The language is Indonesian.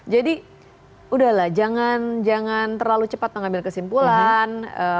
jadi udahlah jangan terlalu cepat mengambil kesimpulan